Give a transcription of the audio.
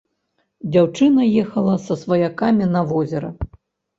Дзяўчына ехала са сваякамі на возера.